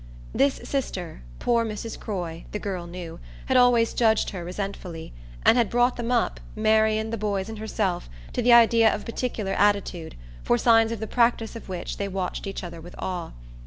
This sister, poor Mrs. Croy, the girl knew, had always judged her resentfully, and had brought them up, Marian, the boys and herself, to the idea of a particular attitude, for signs of the practice of which they watched each other with awe.